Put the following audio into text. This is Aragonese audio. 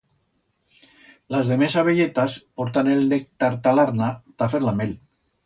Las demés abelletas portan el néctar ta l'arna ta fer la mel.